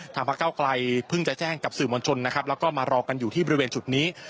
พระเก้าไกลเพิ่งจะแจ้งกับสื่อมวลชนนะครับแล้วก็มารอกันอยู่ที่บริเวณจุดนี้